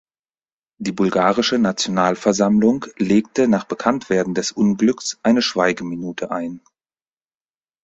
Die bulgarische Nationalversammlung legte nach Bekanntwerden des Unglücks eine Schweigeminute ein.